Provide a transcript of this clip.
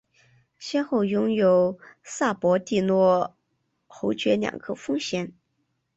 先后拥有萨博蒂诺侯爵两个封衔。